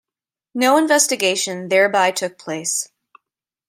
No investigation thereby took place.